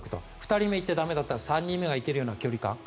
２人目行って駄目だったら３人目が行ける距離感。